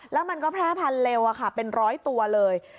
แล้วมันก็แพร่พันเร็วอ่ะค่ะเป็น๑๐๐ตัวเลย